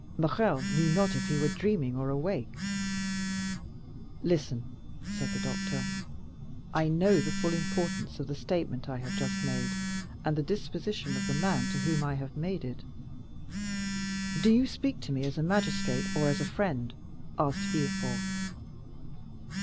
Morrel knew not if he were dreaming or awake. "Listen," said the doctor; "I know the full importance of the statement I have just made, and the disposition of the man to whom I have made it." "Do you speak to me as a magistrate or as a friend?" asked Villefort.